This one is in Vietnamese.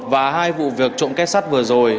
và hai vụ việc trộm két sắt vừa rồi